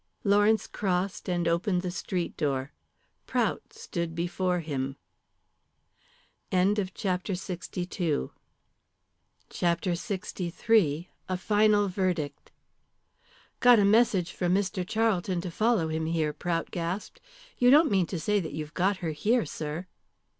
Lawrence crossed and opened the street door. Prout stood before him. CHAPTER LXIII. A FINAL VERDICT. "Got a message from Mr. Charlton to follow him here," Prout gasped. "You don't mean to say that you've got her here, sir?"